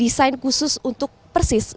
desain khusus untuk persis